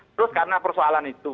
terus karena persoalan itu